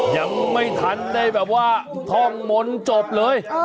ยังไม่ทันได้แบบว่าท่องมนต์จบเลย